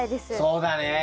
そうだね。